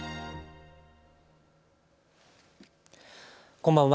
こんばんは。